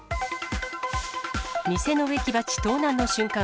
店の植木鉢盗難の瞬間。